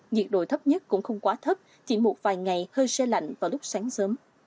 nhiệt độ thấp nhất cũng không quá thấp chỉ một vài ngày hơi xe lạnh vào lúc sáng sớm